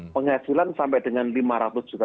penghasilan sampai dengan lima ratus juta